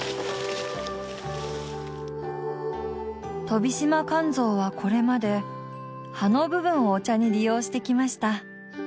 トビシマカンゾウはこれまで葉の部分をお茶に利用してきました。